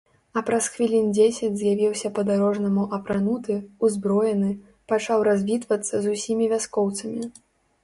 А праз хвілін дзесяць з'явіўся па-дарожнаму апрануты, узброены, пачаў развітвацца з усімі вяскоўцамі.